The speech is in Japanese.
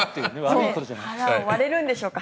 割れるんでしょうか。